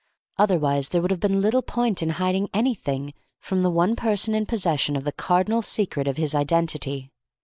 Otherwise there would have been little point in hiding anything from the one person in possession of the cardinal secret of his identity.